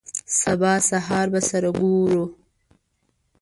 سبا سهار به سره ګورو.